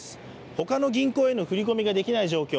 ほかの銀行への振り込みができない状況